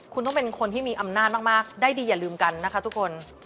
คุณต้องเป็นคนที่มีอำนาจมากได้ดีอย่าลืมกันนะคะทุกคน